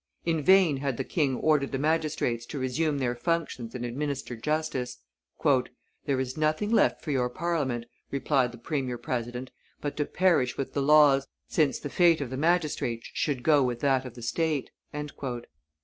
In vain had the king ordered the magistrates to resume their functions and administer justice. "There is nothing left for your Parliament," replied the premier president, "but to perish with the laws, since the fate of the magistrates should go with that of the state."